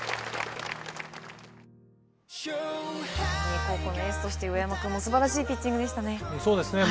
三重高校のエースとして上山君もすばらしいピッチングでしたね。